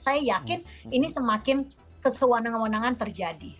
saya yakin ini semakin kesewanan kemenangan terjadi